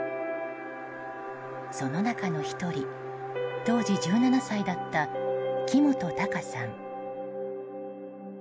その中の１人、当時１７歳だった木本孝さん。